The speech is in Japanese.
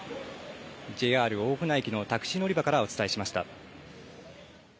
ＪＲ大船駅のタクシー乗り場からお伝えしました。